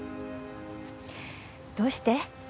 どうして？